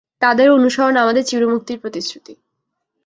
তাদের অনুসরণ আমাদের চিরমুক্তির প্রতিশ্রুতি।